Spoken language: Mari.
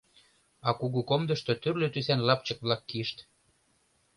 А кугу комдышто тӱрлӧ тӱсан лапчык-влак кийышт.